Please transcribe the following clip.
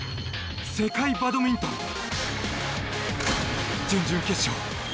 世界バドミントン準々決勝。